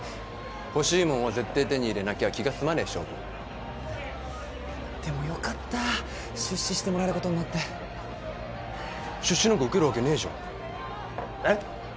欲しいもんはぜってえ手に入れなきゃ気が済まねえ性分でもよかった出資してもらえることになって出資なんか受けるわけねえじゃんえっ？